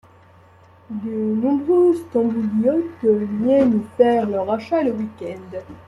De nombreux Stambouliotes viennent y faire leurs achats le week-end.